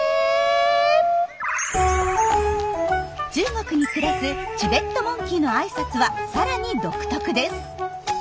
中国に暮らすチベットモンキーのあいさつはさらに独特です。